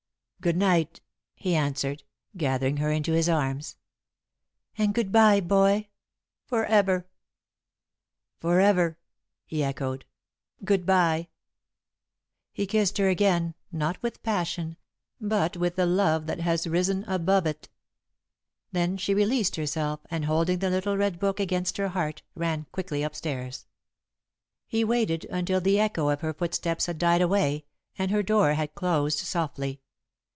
"Good night," he answered, gathering her into his arms. "And good bye, Boy, forever!" "Forever," he echoed, "good bye!" He kissed her again, not with passion, but with the love that has risen above it. Then she released herself, and, holding the little red book against her heart, ran quickly up stairs. He waited until the echo of her footsteps had died away, and her door had closed softly.